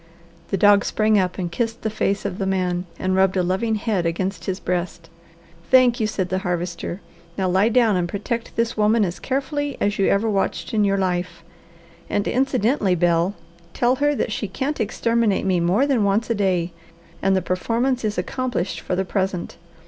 The dog sprang up and kissed the face of the man and rubbed a loving head against his breast. "Thank you!" said the Harvester. "Now lie down and protect this woman as carefully as you ever watched in your life. And incidentally, Bel, tell her that she can't exterminate me more than once a day, and the performance is accomplished for the present.